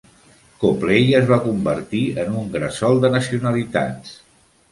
Coplay es va convertir en un gresol de nacionalitats.